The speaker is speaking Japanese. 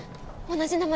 ☎同じ名前？